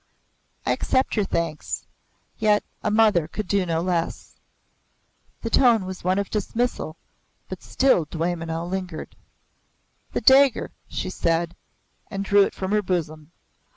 "I accept your thanks. Yet a mother could do no less." The tone was one of dismissal but still Dwaymenau lingered. "The dagger," she said and drew it from her bosom.